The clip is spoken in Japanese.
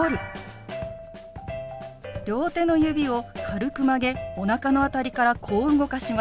両手の指を軽く曲げおなかの辺りからこう動かします。